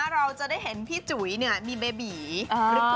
เราจะได้เห็นพี่จุ๋ยมีเบบีหรือเปล่า